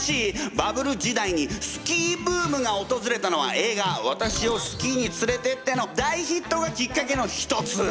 バブル時代にスキーブームが訪れたのは映画「私をスキーに連れてって」の大ヒットがきっかけの一つ！